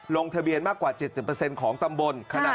ลงทะเบียนมากกว่า๗๐ของตำบล